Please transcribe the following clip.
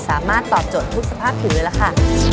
สามารถตอบโจทย์ทุกสภาพถึงเลยล่ะค่ะ